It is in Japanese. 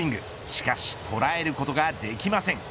しかし、捉えることができません。